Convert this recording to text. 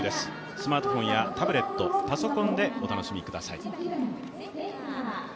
スマートフォンやタブレットパソコンでお楽しみください。